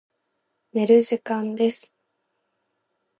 寝る時間です。